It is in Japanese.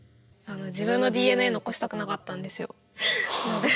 自分のＤＮＡ残したくなかったんですよ。